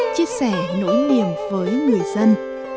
chia sẻ nỗi niềm với người dân